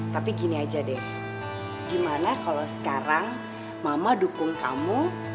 tapi gini aja deh gimana kalau sekarang mama dukung kamu